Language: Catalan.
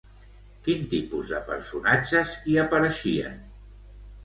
Quin tipus de personatges hi apareixien?